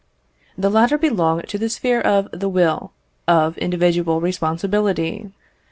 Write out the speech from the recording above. The latter belong to the sphere of the will, of individual responsibility.